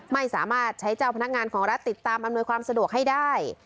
ไม่สามารถใช้เจ้าพนักงานของรัฐติดตามอำนวยความสะดวกให้ได้